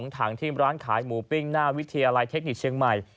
ถังที่ร้านขายหมูปิ้งหน้าวิทยาลัยเทคนิคเชียงใหม่